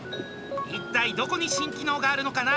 一体どこに新機能があるのかな？